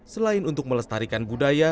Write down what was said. selain untuk melestarikan budaya